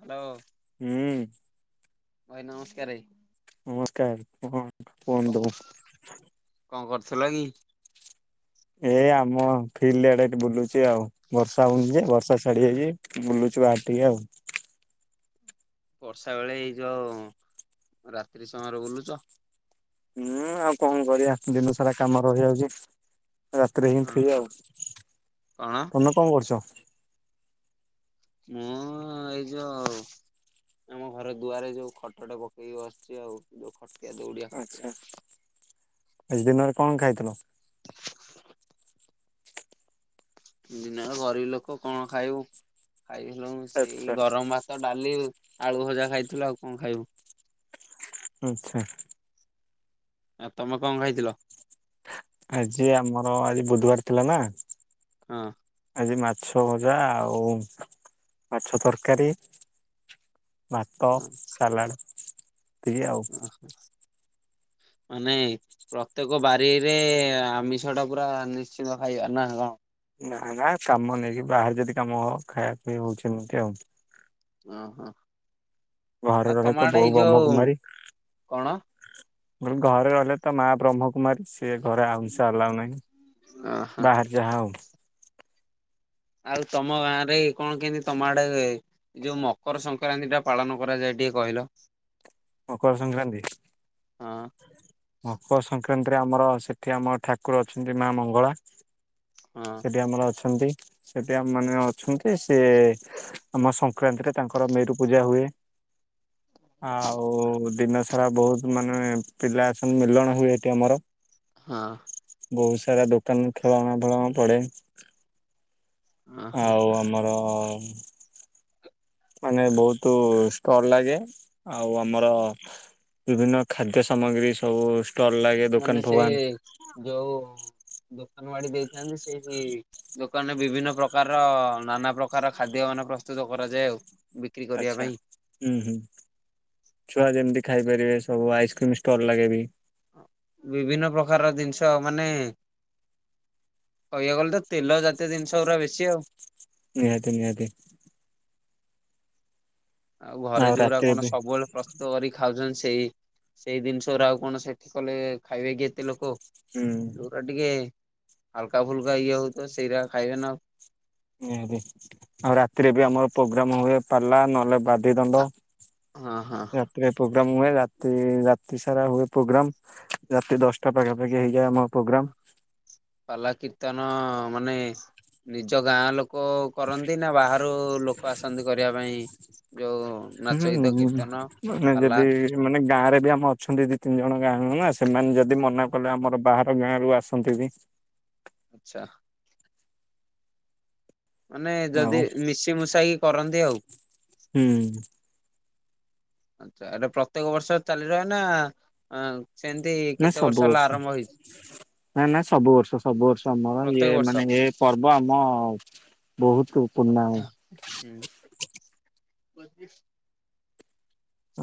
Hello, ହୁଁ ଭାଇ ନମସ୍କାରେ। ନମସ୍କାର କଣ କୁ‌ହନ୍ତୁ? କଣ କରୁଥିଲା କି? ଏ ଆମ ଫିଲ୍ଡ ଆଡେ ଏଠି ବୁଲୁଛି ଆଉ। ବର୍ଷା ହଉନି ଯେ ବର୍ଷା ଛାଡିଯାଇଛି, ବୁଲୁଛୁ ବାହାର ଟିକେ ଆଉ। ବର୍ଷା ବେଳେ ଏଇ ଯୋଉ ରାତ୍ରି ସମୟରେ ବୁଲୁଛ। ହୁଁ ଆଉ କଣ କରିବା ଦିନ ସାରା କାମ ରହିଯାଉଛି। ରାତିରେ ହିଁ ଫ୍ରି ଓହୋ ଆଉ, କଣ? ତମେ କଣ କରୁଛ? ମୁଁ ଏଇ ଯୋଉ ଆମ ଘର ଦୁଆରେ ଯୋଉ ଖଟଟା ପକେଇକି ବସିଛି ଆଉ ଯୋଉ, ଖ ଆଛା, ଆଜି ଦିନରେ କଣ ଖାଇଥିଲ? ଦିନରେ ଗରିବି ଲୋକ କଣ ଖାଇବୁ, ଖାଇ ଥିଲୁ ଆଚ୍ଛା ସେଇ ଗରମ ଭା ତ, ଡାଲି ଆଳୁ ଭଜା ଖାଇଥିଲୁ ଆଉ କଣ ଖାଇବୁ? ଆଚ୍ଛା। ଆ ତମେ କଣ ଖାଇଥିଲ? ଆଜି ଆମର ଆଜି ବୁଧବାର ଥିଲା ନା। ହଁ। ଆଜି ମାଛ ଭଜା ଆଉ ମାଛ ତରକାରୀ ଭାତ ସାଲାଡ଼ ତିକି ଆଉ। [inaudible] ମାନେ ପ୍ରତ୍ୟେକ ବାରିରେ ଆମିଷ ଟା ପୁରା ନିଶ୍ଚିନ୍ତ ଖାଇବା ନା କଣ। ନା ନା କାମ ନେଇକି ବାହାରେ ଯଦି କାମ ଖାଇବା ପିଇ ହଉଛି ଏମିତି ଆଉ। ଓ ହୋ। ଘରେ ରହିଲେ ତ ବୋଉ ଯୋଉ ବ୍ରହ୍ମକୁମାରୀ କଣ ବ ଘରେ ରହିଲେ ତ ମା ବ୍ରହ୍ମକୁମାରୀ ସିଏ ଘରେ ଆଉଁସ ଅଲାଉ ନାହିଁ ଓହୋ ବାହାରେ ଯାହାହେଉ ଆଉ ତମ ଗାଁ ରେ କଣ କେମିତି ତମ ଆଡେ ଯୋଉ ମକର ସଂକ୍ରାନ୍ତି ଟା ପାଳନ କରାଯାଏ ଟିକେ କହିଲ? ମକର ସଂକ୍ରାନ୍ତି। ହଁ। ମକର ସଂକ୍ରାନ୍ତିରେ ଆମର ସେଠି ଆମର ଠାକୁର ଅଛନ୍ତି ମା ମଙ୍ଗଳା। ହଁ ସେଠି ଆମର ଅଛନ୍ତି ସେଠି ଆମ ମାନ ଅଛନ୍ତି ସେ ଆମ ସଂକ୍ରାନ୍ତିରେ ତାଙ୍କର ମେରୁ ପୂଜା ହୁଏ ଆଉ ଦିନ ସାରା ବହୁତ ମାନେ ପିଲା ଆସନ ମେଲଣ ହୁଏ ଏଠି ଆମର। ହଁ। ବହୁତ ସାରା ଦୋକାନ ଖେଳଣା ଫେଳଣା ପଡେ। ହଁ ହଁ ଆଉ ଆମର ମାନେ ବହୁତ ଷ୍ଟଲ ଲାଗେ ଆଉ ଆମର ବିଭିନ୍ନ ଖାଦ୍ୟ ସାମଗ୍ରୀ ସବୁ ଷ୍ଟଲ ଲାଗେ ମାନେ ଦୋକାନ ସେଇ ଫୋକାନ। ଯୋଉ ଦୋକାନ ବାଡି ଦେଇଥାନ୍ତି ସେଇଠି ଦୋକାନରେ ବିଭିନ୍ନ ପ୍ରକାରର ନାନା ପ୍ରକାର ଖାଦ୍ୟ ମାନେ ପ୍ରସ୍ତୁତ କରାଯାଏ ଆଉ। ବିକ୍ରି କରିବା ଆଚ୍ଛା। ପାଇଁ। ହୁଁ ହୁଁ ଛୁଆ ଯେମିତି ଖାଇପାରିବେ ସବୁ ଆଇସ୍କ୍ରିମ ଷ୍ଟଲ ଲାଗେ ବି। ବିଭିନ୍ନ ପ୍ରକାରର ଜିନିଷ ମାନେ କ‌ହିବାକୁଗଲେ ତ ତେଲ ଜାତୀୟ ଜିନିଷ ଗୁରା ବେଶୀ ଆଉ। ନିହାତି ନିହାତି। ଆଉ ଘରେ ଯୋଉଗୁଡା ରାତିରେ କଣ ବି ସବୁବେଳେ ପ୍ର ତରି ଖାଉଛନ୍ତି ସେଇ ସେଇ ଜିନିଷଗୁରା ଆଉ କଣ ସେଠି କଲେ ଖାଇବେ କି ଏତେ ଲୋକ। ହୁଁ। ଯୋଉଟା ଟିକେ ହାଲକା ଫୁଲକା ଇଏ ହଉ ତ ସେଇରାକ ଖାଇବେ ନା ଆଉ। ଓହୋ ଆଉ ରାତିରେ ବି ଆମର ପ୍ରୋଗ୍ରାମ ହୁଏ ପାଲା ନହେଲେ ବାଦ ଇଦଣ୍ଡ। ଆଉ ହଁ ରେ ପ୍ରୋଗ୍ରାମ ହୁଏ ରାତି ରାତି ସାରା ହୁଏ ପ୍ରୋଗ୍ରାମ ରାତି ଦଶଟା ପାଖାପାଖି ହେଇଯାଏ ଆମ ହଁ। ପ୍ରୋଗ୍ରାମ। ପାଲା କୀର୍ତ୍ତନ ମାନେ ନିଜ ଗାଁ ଲୋକ କରନ୍ତି ନା ବାହାରୁ ଲୋକ ଆସନ୍ତି କରିବା ପାଇଁ। ଯୋଉ ନାଚ ଗୀତ ହୁଁ କୀର୍ତ୍ତନ ମାନେ ପାଲା ଯଦି ମାନେ ଗାଁରେ ବି ଆମେ ଅଛନ୍ତି ଦି ତିନି ଜଣ ଗାଁ ନା ସେମାନେ ଯଦି ମନା କଲେ ଆମର ବାହାର ଗାଁ ରୁ ଆସନ୍ତି ବି। ଆଛା। ମାନେ ଆଉ ଯଦି ମିଶି ମୁଶାକି କରନ୍ତି ଆଉ। ହୁଁ। ଆଛା ଏଟା ପ୍ରତ୍ୟେକ ବର୍ଷ ଚାଲି ରହେ ନା ହଁ ସେମିତି ନା କେତେ ସବୁ ବର୍ଷ ହେଲା ଆରମ୍ଭ ହେଇଛି। ନା ନା ସବୁ ବର୍ଷ ସବୁ ବର୍ଷ ଆମର ପ୍ରତ୍ୟେକ ଇଏ ବର୍ଷ? ମାନେ ଏ ପର୍ବ ଆମ ବହୁତ ପୁରୁଣା ହ ହ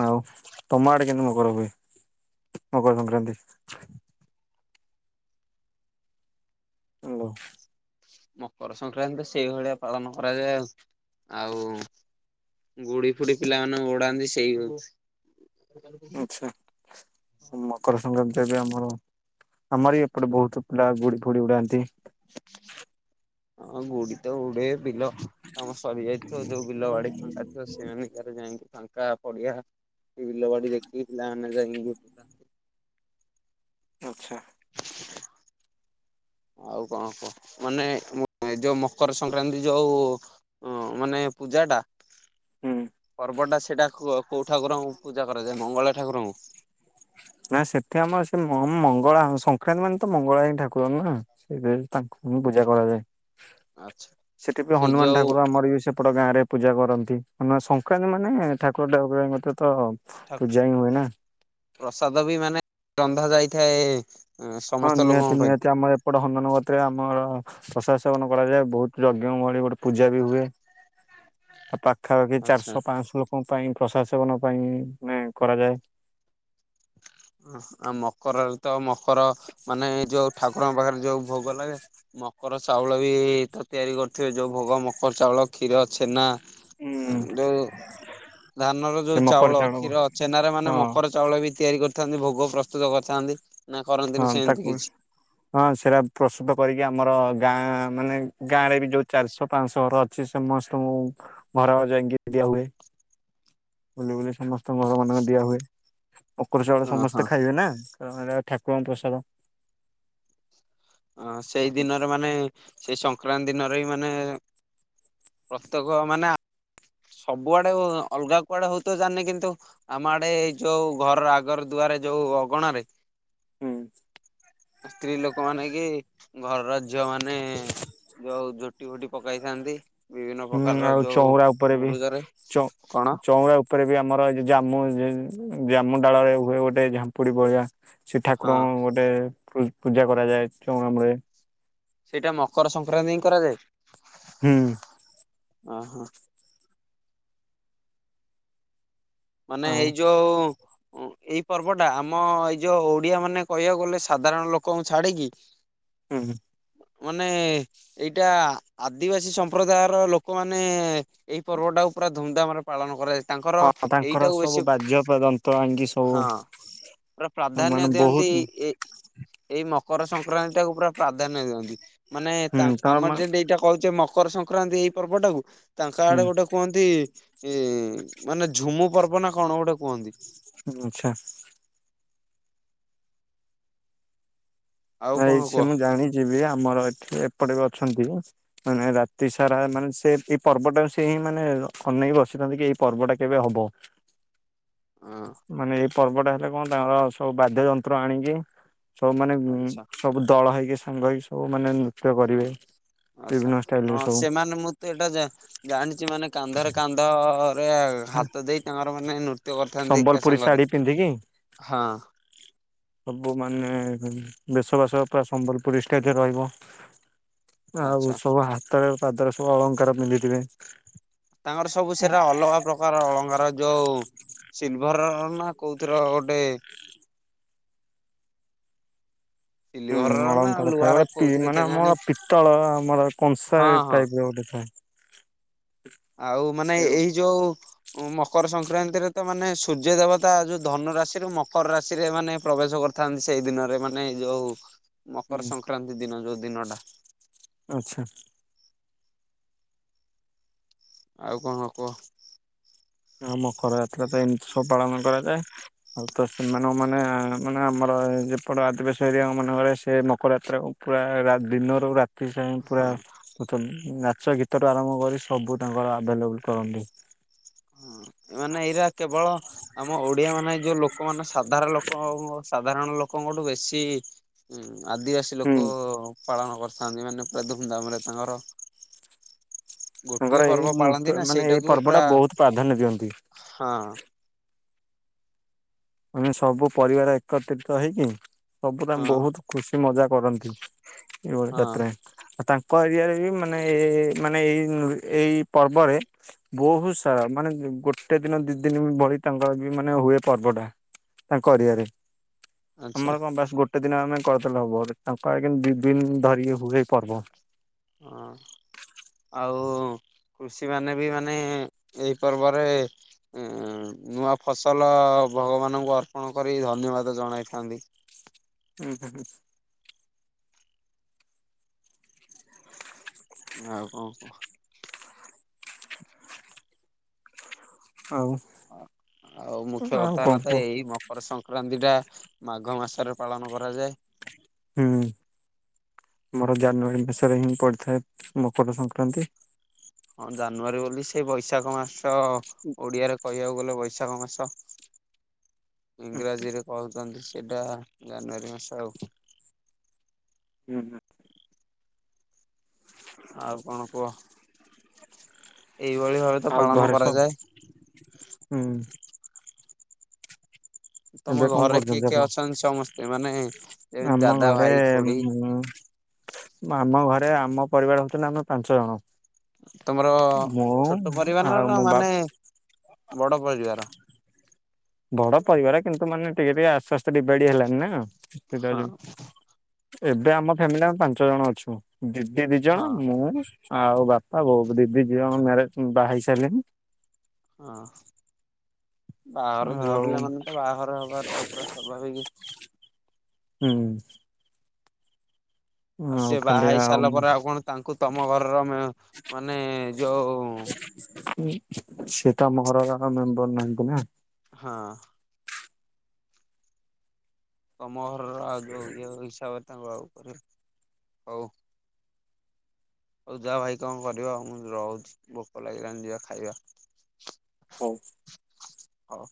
ଆଉ ତମ ଆଡେ [unintelligible] ହୁଏ ମକର ସଂକ୍ରାନ୍ତି? [unintelligible] ମକର ସଂକ୍ରାନ୍ତି ସେଇଭଳିଆ ପାଳନ କରାଯାଏ ଆଉ ଆଉ ଗୁଡି ଫୁଡି ପିଲାମାନେ ଉଡାନ୍ତି ସେଇ ଆଚଛା ମକର ସଂକ୍ରାନ୍ତି ଏବେ ଆମର ଆମର ବି ଏପଟେ ବହୁତ ପିଲା ଗୁଡି ଫୁଡି ଉଡାନ୍ତି। ହଁ ଗୁଡ଼ି ତ ଉଡ଼େଇବେ ପିଲ ଆମ ସରି ଯାଇଥିବ ଯୋଉ ବିଲ ବାଡି ଫାଙ୍କା ଥିବ ସେଇମାନଙ୍କରେ ଯାଇକି ଫାଙ୍କା ପଡିଆ ବିଲ ବାଡି ଦେଖିକି ପିଲାମାନେ ଯାଇକି ଆଚ୍ଛା। [unintelligible] ଆଉ କଣ କହ ମାନେ ଏ ଯୋଉ ମକର ସଂକ୍ରାନ୍ତି ଯୋଉ ଓ ମାନେ ପୂଜା ଟା ହୁଁ। ପର୍ବଟା ସେଇଟା କୋଉ ଠାକୁରଙ୍କୁ ପୂଜା କରାଯାଏ ମଙ୍ଗଳା ଠାକୁରଙ୍କୁ? ନା ସେଠି ଆମର ସେ ମଙ୍ଗଳା ସଂକ୍ରାନ୍ତି ମାନେ ତ ମଙ୍ଗଳା ହିଁ ଠାକୁର ନା। ସେଇଥି ତାଙ୍କୁ ହି ପୂଜା କରାଯାଏ ଆଚ୍ଛା ସେଥିପାଇ ସେଇ ହନୁମାନ ଯୋଉ ଠାକୁର ଆମର ପୁରା ଗାଁରେ ପୂଜା କରନ୍ତି ନ ସଂକ୍ରାନ୍ତି ମାନେ ଠାକୁର ଠାକୁର ମତେ ତ ଠା ତୁ ଯାଇ ହୁଏ ନା। ପ୍ରସାଦ ବି ମାନେ ରନ୍ଧା ଯାଇଥାଏ। ହଁ ସମସ୍ତ ନିହାତି ଲୋକଙ୍କ ପାଇଁ ନିହାତି ଆମର ଏ ବଟ ହନ୍ଦନ ଗତରେ ଆମର ପ୍ରସାଦ ସେବନ କରାଯାଏ ବହୁତ ଯଜ୍ଞ ମଳି ଗୋଟେ ପୂଜା ବି ହୁଏ। ଆଉ ପାଖାପାଖି ଆଚ୍ଛା ଚାରିଶହ ପାଞ୍ଚଶହ ଲୋକଙ୍କ ପାଇଁ ପ୍ରଶାସନ ପାଇଁ ମାନ କରାଯାଏ। ଆଉ ମକରରେ ତ ମକର ମାନେ ଯୋଉ ଠାକୁରଙ୍କ ପାଖରେ ଯୋଉ ଭୋଗ ଲାଗେ ମକର ଚାଉଳ ବି ତ ତିଆରି କରୁଥିବେ ଯୋଉ ଭୋଗ ମକର ଚାଉଳ କ୍ଷୀର ଛେନା ହୁଁ ଯୋଉ ଧାନର ସେ ଯୋଉ ମକର ଚାଉଳ କ୍ଷୀର ଛେନାରେ ମାନେ ହଁ ମକର ଚାଉଳ ବି ତିଆରି କରିଥାନ୍ତି ଭୋଗ ପ୍ରସ୍ତୁତ କରିଥାନ୍ତି। ନା ହଁ କରନ୍ତିନି ସେମିତି ତାକୁ କିଛି ହଁ ସେଇଟା ପ୍ରସ୍ତୁତ କରିକି ଆମର ଗାଁ ମାନେ ଗାଁ ରେ ବି ଯୋଉ ଚାରିଶହ ପାଞ୍ଚଶହ ଘର ଅଛି ସମସ୍ତଙ୍କୁଙ୍କୁ ଘର ଯାଇକି ଦିଆ ହୁଏ। ବୁଲି ବୁଲି ସମସ୍ତଙ୍କର ମାନଙ୍କୁ ଦିଆ ହୁଏ ମୋକର ଚାଉଳ ଓହୋ ସମସ୍ତେ ଖାଇବେ ନା କାରଣ ଠା କଣ ପ୍ରସାଦ ହଁ ସେଇ ଦିନରେ ମାନେ ସେଇ ସଂକ୍ରାନ୍ତି ଦିନରେ ବି ମାନେ ପ୍ରତ୍ୟେକ ମାନେ ସବୁଆଡେ ଅଲଗା କୁଆଡେ ହଉ ତ ଜାିନି କିନ୍ତୁ ଆମ ଆଡେ ଏଇ ଯୋଉ ଘରର ଆଗର ଦୁଆରେ ଯୋଉ ଅଗଣ ାରେ ହୁଁ। ସ୍ତ୍ରୀ ଲୋକମାନେ କି ଘରର ଝିଅ ମାନେ ଯୋଉ ଝୋଟି ଫୁଟି ପକାଇଥାନ୍ତି। ବିଭିନ୍ନ ହୁଁ ପ୍ରକାରର ଆଉ ଯୋଉ ଚଉରା ଉପରେ ବି ମୁରୁଜରେ କଣ ଚଉଁରା ଉପ ରେ ବି ଆମର ଏ ଜାମୁ ଜାମୁ ଡାଳ ରେ ହୁଏ ଗୋଟେ ଝାମ୍ପୁଡି ବଳିଆ। ସେ ହଁ ଠାକୁରଙ୍କ ଗୋଟେ ପୂଜା କରାଯାଏ ଚଉରା ମୂଳେ। ସେଇଟା ମକର ସଂକ୍ରାନ୍ତି ହିଁ କରାଯାଏ। ହୁଁ। ଅ ହ। ମାନେ ଆଉ ଏଇ ଯୋଉ ଏଇ ପର୍ବ ଟା ଆମ ଏଇ ଯୋଉ ଓଡ଼ିଆ ମାନେ, କହିବାକୁ ଗଲେ ସାଧାରଣ ଲୋକଙ୍କୁ ଛାଡିକି [inaudible] ହୁଁ, ହୁଁ। ମାନେ, ଏଇଟା ଆଦିବାସୀ ସମ୍ପ୍ରଦାୟର ଲୋକମାନେ ଏଇ ପର୍ବ ଟାକୁ ପୁରା ଧୁମ୍ ଧାମ୍ ରେ ପାଳନ କରାଯାଏ। ତାଙ୍କର ହଁ ତାଙ୍କର ଏଇଟାକୁ ସବୁ ବେଶୀ, ବାଜ୍ୟ ଯନ୍ତ୍ର ଆଣିକି ସବୁ ହଁ, ପୁରା ପ୍ରାଧାନ୍ୟ ମାନେ ବହୁତ ଦିଅନ୍ତି। ଏ ଏଇ ମକର ସଂକ୍ରାନ୍ତି ଟାକୁ ପୁରା ପ୍ରାଧାନ୍ୟ ଦିଅନ୍ତି। ମାନେ ହୁଁ ତାଙ୍କ ତ ଆମର ମା ଯେମିତି ଏଇଟା କହୁଛେ ମକର ସଂକ୍ରାନ୍ତି, ଏଇ ପର୍ବଟାକୁ। ତାଙ୍କ ଆଡ଼େ ହୁଁ ଗୋଟେ କୁହନ୍ତି କୁହନ୍ତି ଇଁ-ଇ ମାନେ ଝୁମୁ ପର୍ବ ନା କଣ ଗୋଟେ କୁହନ୍ତି। ଆଚ୍ଛା। ଆଉ କଣ [unintelligible] କୁହ? ମୁଁ ଜାଣିଛିି ବି ଆମର ଏଠି, ଏପଟେ ବି ଅଛନ୍ତି। ମାନେ, ରାତି ସାରା ମାନେ ସେ ଏଇ ପର୍ବଟା ସେ ହିଁ ମାନେ ଅନେଇକି ବସିଥାନ୍ତି କି, ଏଇ ପର୍ବଟା କେବେ ହବ। [inaudible] ହଁ ମାନେ, ଏଇ ପର୍ବଟା ହେଲେ କଣ, ତାଙ୍କର ସବୁ ବାଦ୍ୟ ଯନ୍ତ୍ର ଆଣିକି ସବୁ ମାନେ, ଆଚ୍ଛା ସବୁ ଦଳ ହେଇକି, ସାଙ୍ଗ ହେଇକି, ସବୁ ମାନେ ନୃତ୍ୟ କରିବେ ହଁ, ବିଭିନ୍ନ ଷ୍ଟାଇଲରେ ସବୁ। ସେମାନେ ମୁଁ ତ ଏଇଟା ଜା-ଜାଣିଛି, ମାନେ କାନ୍ଧରେ କାନ୍ଧ-ଅ-ଅ -ଅ ରେ ହାତ ଦେଇ ତାଙ୍କର ମାନେ ନୃତ୍ୟ କରିଥାନ୍ତି, ଏକା ସମ୍ବଲପୁରୀ ସାଙ୍ଗରେ। ଶାଢୀ ପିନ୍ଧିକି ହଁ। ସବୁ ମାନେ ଵେଶବାସ, ପୁରା ସମ୍ବଲପୁରୀ ଷ୍ଟାଇଲ୍ ରେ ରହିବ। ଆଉ ଆଚ୍ଛା ସବୁ ହାତରେ, ପାଦରେ ସବୁ ଅଳଙ୍କାର ପିନ୍ଧିଥିବେ। ତାଙ୍କର ସବୁ ସେରା ଅଲଗା ପ୍ରକାର ଅଳଙ୍କାର। ଯୋଉ ସିଲ୍ଭର ନା କୋଉଥିର ଗୋଟେ ହୁଁ, ସିଲିଭରର ନା ଅଳଙ୍କାର ଥାଏ। ଲୁହାର ଗୋଟେ କୋଉଥିରେ ମାନେ କେଜାଣି ଆମର ପିତ୍ତଳ, ଆମର କଂସା ହଁ ହଁ ଟାଇପ୍ ର ଗୋଟେ ଥାଏ। ଆଉ ମାନେ, ସେ ହୁଁ ଏଇ ଯୋଉ ମକର ସଂକ୍ରାନ୍ତିରେ ତ ମାନେ ସୂର୍ଯ୍ୟ ଦେବତା ଯୋଉ ଧନୁ ରାଶିରୁ ମକର ରାଶିରେ ମାନେ ପ୍ରବେଶ କରି ଥାନ୍ତି, ସେଇ ଦିନରେ, ମାନେ ଯୋଉ ମକର ସଂକ୍ରାନ୍ତି ଦିନ, ଯୋଉ ଦିନ ଟା। ଆଚ୍ଛା। ଆଉ କଣ କୁହ? ହଁ, ମକର ଯାତ୍ରା ତ ଏମିତି ସବୁ ପାଳନ କରାଯାଏ। ଆଉ ତ ସେମାନଙ୍କ, ମାନେ ମାନେ ଆମର ଯେପଟେ ଆଦିବାସୀ ଏରିଆ ମାନଙ୍କରେ, ସେ ମକର ଯାତ୍ରା ପୁରା ଦିନରୁ ରାତି। ସେଥିପାଇଁ ହଁ ପୁରା ନାଚ, ଗୀତଠୁ ଆରମ୍ଭ କରି ସବୁ ତାଙ୍କର ଆଭେଲେବୁଲ୍ କରନ୍ତି। ମାନେ ଏଇରା କେବଳ ଆମ ଓଡିଆ ମାନେ, ଯୋଉ ଲୋକମାନେ ସାଧାରଣ ଲୋକ, ସାଧାରଣ ଲୋକଙ୍କଠୁ ବେଶୀ ଆଦିବାସୀ ହୁଁ। ଲୋକ ପାଳନ କରିଥାନ୍ତି, ମାନେ ପୁରା ଧୁମ୍ ଧାମ୍ ରେ ତାଙ୍କର। ତାଙ୍କର ଗୋଟିଏ ଏଇ ପର୍ବ ପାଳନ୍ତି ନୃତ୍ୟ ନା, ମାନେ ଏଇ ସେଇଟାକୁ ପର୍ବ ପୁରା, ଟା ବହୁତ ପ୍ରାଧାନ୍ୟ ଦିଅନ୍ତି ହଁ। ମାନେ ସବୁ ପରିବାର ଏକତ୍ରିତ ହେଇକି ସବୁ ପୁରା ହଁ ବହୁତ ଖୁସି ମଜା କରନ୍ତି, ଏଇଭଳିଆ ହଁ ଯାତ୍ରା। ଆଉ ତାଙ୍କ ତାଙ୍କ ଏରିଆରେ ବି ମାନେ, ଏ, ମାନେ ଏଇ ଏଇ ପର୍ବରେ ବହୁତ ସାରା, ମାନେ ଗୋଟେ ଦିନ, ଦି ଦିନ ଭଳି ତାଙ୍କର ବି ମାନେ ହୁଏ ପର୍ବ ଟା। ତାଙ୍କ ଏରିଆରେ ଆଚ୍ଛା ଆମର କଣ ବାସ୍ ଗୋଟେ ଗୋଟେ ଦିନ ଆମେ କରିଦେଲେ ହବ କ ଦୁଇ ଦିନ ଧରି ହୁଏ ପର୍ବ। ହଁ। ଆଉ କୃଷି ମାନେ ବି ମାନେ ଏଇ ପର୍ବରେ ନୂଆ ଫସଲ ଭଗବାନଙ୍କୁ ଅର୍ପଣ କରି ଧନ୍ୟବାଦ ଜଣାଇଥାନ୍ତି। ହୁଁ, ହୁଁ, ହୁଁ। ଆଉ କଣ କହ? ଆଉ। ଆଉ ମୁଖ୍ୟ ଆଉ କଥା କଣ ହେଲା ତ କୁହ ଏଇ ପରେ ସଂକ୍ରାନ୍ତି ଟା ମାଘ ମାସରେ ପାଳନ କରାଯାଏ। ହୁଁ ଆମର ଜାନୁଆରୀ ମାସରେ ହିଁ ପଡିଥାଏ ମକର ସଂକ୍ରାନ୍ତି। ହଁ ଜାନୁଆରୀ ବୋଲି ସେଇ ବୈଶାଖ ମାସ ଓ, ଡିଆରେ କହିବାକୁ ଗଲେ ବୈଶାଖ ମାସ। ଇଂରାଜୀରେ କହୁଛନ୍ତି ସେଇଟା ଜାନୁଆରୀ ମାସ ଆଉ। ହୁଁ, ହୁଁ। ଆଉ କଣ କୁହ? ଏଇଭଳି ଭାବରେ ଆଉ ଘରେ ସ ହୁଁ। ତମ ଏବେ କଣ ଘରେ କିଏ କରୁଛନ୍ତି କିଏ ଆପଣ? ଅଛନ୍ତି ସମସ୍ତେ ମାନେ ଯେମିତି ଆମ ଦାଦା ଘରେ ଭାଇ ଖୁଡି ଉ ଆମ ଘରେ ଆମ ପରିବାର ହଉଛନ୍ତି ଆମେ ପାଞ୍ଚ ଜଣ। ତମର ମୁଁ ଛୋଟ ଆଉ ପରିବାରର ମୋ ବା ମାନେ ବଡ ପରିବାର? ବଡ ପରିବାର କିନ୍ତୁ ମାନେ ଟିକେ ଟିକେ ଆସ୍ତେ ଆସ୍ତେ ଡିବଡି ହେଲାନି ନା ହଁ ଏବେ ଆମ ଫ୍ୟାମିଲି ଆମେ ପାଞ୍ଚ ଜଣ ଅଛୁ। ଦିଦି ଦି ଜଣ, ହଁ ମୁଁ, ଆଉ ବାପା ବୋଉ। ଦିଦି ଝିଅ ମ୍ୟରେ ବାହେଇ ସାରିଲେଣି। ହଁ ବାହଘର ଝିଅ ଆଉ ପିଲା ମାନେ ତ ବାହଘର ହବା ଟା ତ ସ୍ୱାଭାବିକ। ହୁଁ। ଆଉ ସିଏ ବାହା ହେଇ ସାରିଲା ପରେ ଆଉ କଣ ତାଙ୍କୁ ତମ ଘରର ମାନେ ଯୋଉ ସେତ ଆମଘର ର ମେମ୍ବର ନାହାନ୍ତି ନା? ହଁ। ତମ ଘରର ଆଉ ଯୋଉ ଇଏ ହିସାବରେ ତାଙ୍କୁ ଆଉ, କର ହଉ। ହଉ ଯାହା ଭାଇ କଣ କରିବ ରହୁଛି ଭୋକ ଲାଗିଲାଣିି ଯିବା ଖାଇବା। ହଉ। ହଉ।